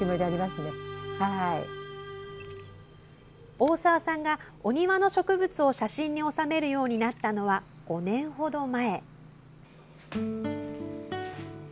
大澤さんがお庭の植物を写真に収めるようになったのは５年ほど前。